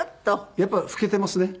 やっぱり老けていますね。